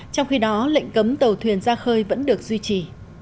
trong khi đó lệnh cấm tàu thuyền ra khơi vẫn được duy trì